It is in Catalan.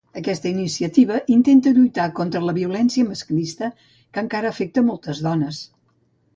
Aquesta iniciativa intenta lluitar contra la violència masclista, que encara afecta moltes dones.